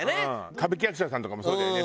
歌舞伎役者さんとかもそうだよね。